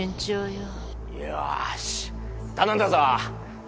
よし頼んだぞ！